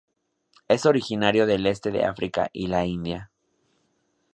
Es originario del este de África y la India.